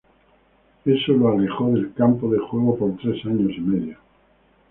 Eso lo alejó del campo de juego por tres años y medio.